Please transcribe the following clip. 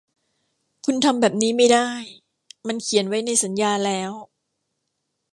คุณทำแบบนี้ไม่ได้ มันเขียนไว้ในสัญญาแล้ว